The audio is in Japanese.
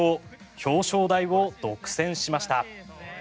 表彰台を独占しました。